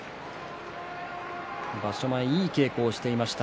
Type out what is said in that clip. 場所前はいい稽古をしていました。